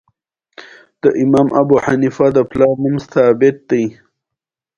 سپي د سترګو نه ورک نه شي.